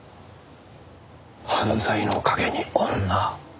犯罪の陰に女。